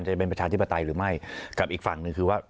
จะเป็นประชาธิปไตยหรือไม่กับอีกฝั่งหนึ่งคือว่า